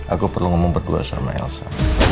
aku perlu ngomong berdua sama elsa